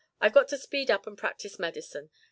I've got to speed up and practise medicine.